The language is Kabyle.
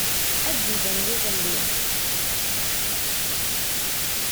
Ad d-iban yiḍelli.